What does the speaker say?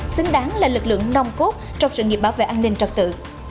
xứng đáng là lực lượng nong cốt trong sự nghiệp bảo vệ an ninh trật tự